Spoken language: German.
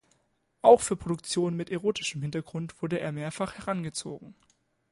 Auch für Produktionen mit erotischem Hintergrund wurde er mehrfach herangezogen.